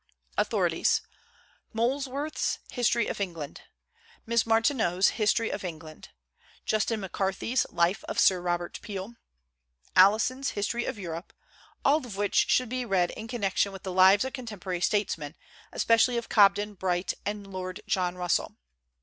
AUTHORITIES. Molesworth's History of England; Miss Martineau's History of England; Justin McCarthy's Life of Sir Robert Peel; Alison's History of Europe, all of which should be read in connection with the Lives of contemporary statesmen, especially of Cobden, Bright, and Lord John Russell.